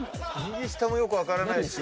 右下もよく分からないし。